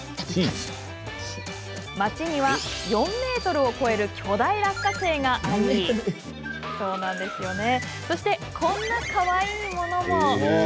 町には４ｍを超える巨大落花生がありそして、こんなかわいいのも。